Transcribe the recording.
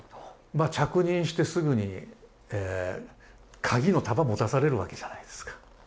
着任してすぐに鍵の束持たされるわけじゃないですか。